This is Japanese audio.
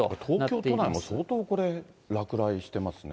東京都内も相当これ、落雷してますね。